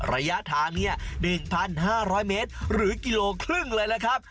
ระยะทาง๑๕๐๐เมตรหรือกิโลครึ่งเลยล่ะครับ